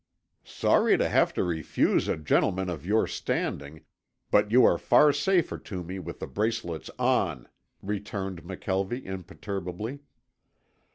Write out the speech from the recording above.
"Sorry to have to refuse a gentleman of your standing, but you are far safer to me with the bracelets on," returned McKelvie imperturbably.